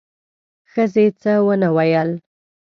ښځې څه ونه ویل: